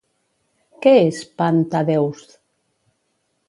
Què és Pan Tadeusz?